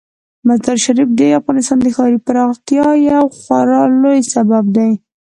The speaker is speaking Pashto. مزارشریف د افغانستان د ښاري پراختیا یو خورا لوی سبب دی.